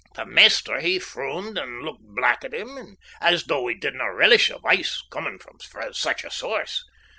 The maister he frooned and looked black at him, as though he didna relish advice comin' frae such a source.